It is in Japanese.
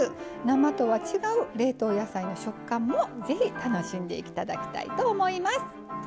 生とは違う冷凍野菜の食感もぜひ楽しんで頂きたいと思います。